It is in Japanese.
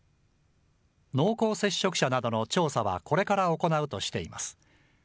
濃厚接触者などの調査はこれから行うとしています。